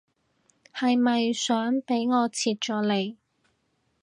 係咪想俾我切咗你